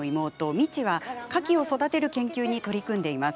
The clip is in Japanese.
未知はカキを育てる研究に取り組んでいます。